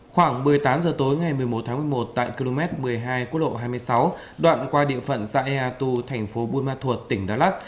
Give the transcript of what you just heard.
khoảng một mươi tám h tối ngày một mươi một tháng một mươi một tại km một mươi hai quốc lộ hai mươi sáu đoạn qua địa phận saeatu thành phố bùn ma thuột tỉnh đà lạt